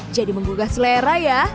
jadi menggugah selera ya